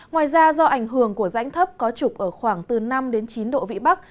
ngoài ra do ảnh hưởng của rãnh thấp có trục ở khoảng từ năm đến chín độ vị bắc